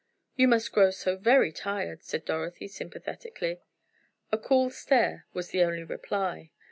"You must grow so very tired," said Dorothy, sympathetically. A cool stare was the only reply.